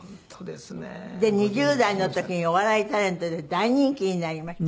で２０代の時にお笑いタレントで大人気になりました。